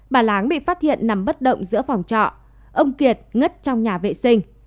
bà láng bị phát hiện nằm bất động giữa phòng trọ ông kiệt ngất trong nhà vệ sinh